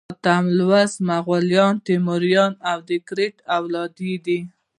اتم لوست مغولان، تیموریان او د کرت اولادې دي.